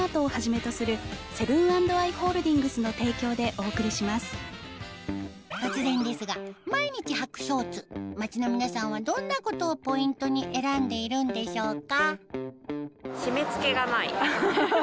お店では突然ですが毎日はくショーツ街の皆さんはどんなことをポイントに選んでいるんでしょうか？